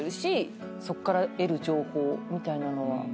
そっから得る情報みたいなのは。